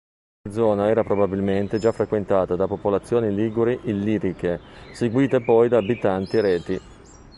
La zona era probabilmente già frequentata da popolazioni liguri-illiriche, seguite poi da abitanti reti.